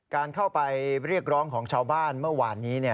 การเข้าไปเรียกร้องของชาวบ้านเมื่อวานนี้